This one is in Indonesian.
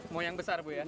mau yang besar bu ya